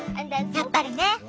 やっぱりね！